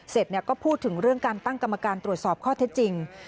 เสร็จก็พูดถึงเรื่องการตั้งกรรมการตรวจสอบข้อเท็จจริง